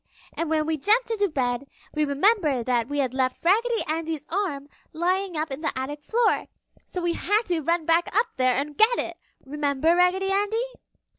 "And when we jumped into bed, we remembered that we had left Raggedy Andy's arm lying up on the attic floor, so we had to run back up there and get it! Remember, Raggedy Andy?"